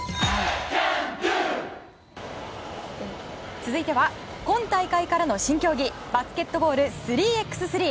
続いては今大会からの新競技バスケットボール３ｘ３。